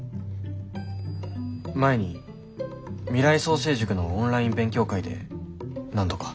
前に未来創成塾のオンライン勉強会で何度か。